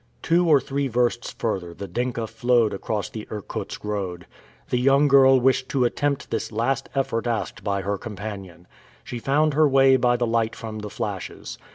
Two or three versts further the Dinka flowed across the Irkutsk road. The young girl wished to attempt this last effort asked by her companion. She found her way by the light from the flashes.